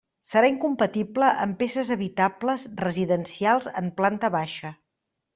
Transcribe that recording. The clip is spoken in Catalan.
Serà incompatible amb peces habitables residencials en planta baixa.